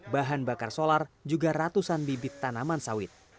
bahan bakar solar juga ratusan bibit tanaman sawit